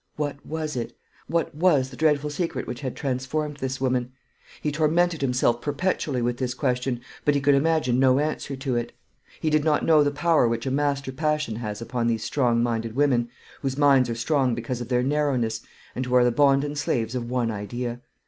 What was it? What was the dreadful secret which had transformed this woman? He tormented himself perpetually with this question, but he could imagine no answer to it. He did not know the power which a master passion has upon these strong minded women, whose minds are strong because of their narrowness, and who are the bonden slaves of one idea.